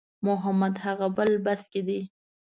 محمد هغه بل بس کې دی.